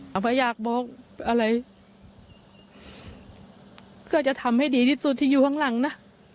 เอาไปอยากบอกอะไรเพื่อจะทำให้ดีที่สุดที่อยู่ข้างหลังนะ